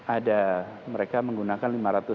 ada mereka menggunakan